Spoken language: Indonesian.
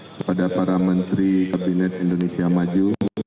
kepada para menteri kabinet indonesia maju